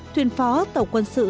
thuyền phó tàu quân sự